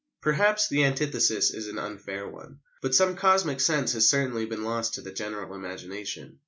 Perhaps the antithesis is an unfair one, but some cosmic sense has certainly been lost to the general imagination.